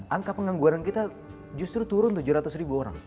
angka pengangguran kita justru turun tujuh ratus ribu orang